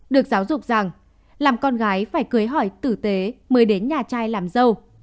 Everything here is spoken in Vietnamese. được giáo dục rằng làm con gái phải cưới hỏi tử tế mới đến nhà trai làm dâu